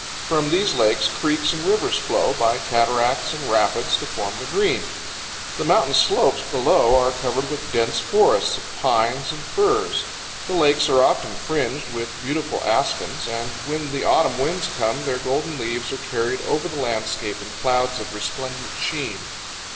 From these lakes creeks and rivers flow, by cataracts and rapids, to form the Green. The mountain slopes below are covered with dense forests of pines and firs. The lakes are often fringed with beautiful aspens, and when the autumn winds come their golden leaves are carried over the landscape in clouds of resplendent sheen.